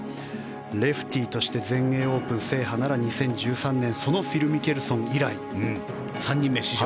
レフティーとして全英オープン制覇なら２０１３年そのフィル・ミケルソン以来３人目、史上。